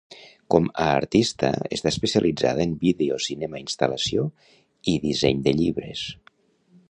Com a artista està especialitzada en vídeo, cinema, instal·lació, i disseny de llibres.